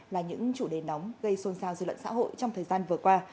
là những chủ đề nóng gây xôn xao dư luận xã hội trong thời gian vừa qua